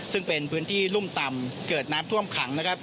ซึ่งเป็นพื้นที่รุ่มต่ำเกิดน้ำท่วมขังนะครับ